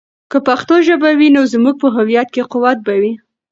که پښتو ژبه وي، نو زموږ په هویت کې قوت به وي.